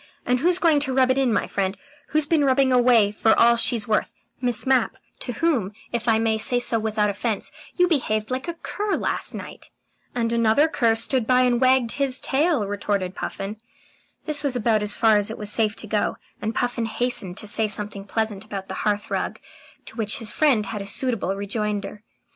And who's going to rub it in, my friend? Who's been rubbing away for all she's worth? Miss Mapp, to whom, if I may say so without offence, you behaved like a cur last night." "And another cur stood by and wagged his tail," retorted Puffin. This was about as far as it was safe to go, and Puffin hastened to say something pleasant about the hearthrug, to which his friend had a suitable rejoinder.